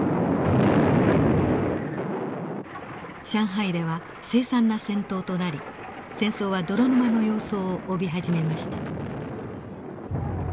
上海では凄惨な戦闘となり戦争は泥沼の様相を帯び始めました。